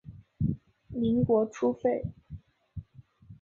民国初废。